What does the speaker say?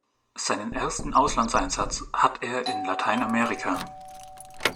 Seinen ersten Auslandseinsatz hat er in Lateinamerika.